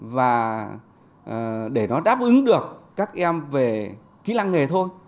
và để nó đáp ứng được các em về kỹ năng nghề thôi